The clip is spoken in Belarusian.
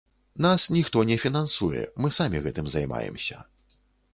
Нас ніхто не фінансуе, мы самі гэтым займаемся.